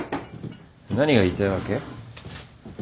何が言いたいわけ？